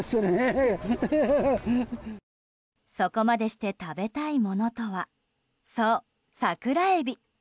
そこまでして食べたいものとはそう、桜エビ。